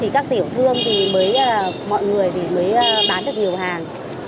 các tiểu thương thì mới mọi người mới bán được nhiều hàng